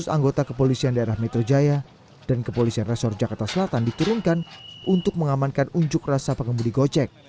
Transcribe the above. lima ratus anggota kepolisian daerah metro jaya dan kepolisian resor jakarta selatan diturunkan untuk mengamankan unjuk rasa pengemudi gojek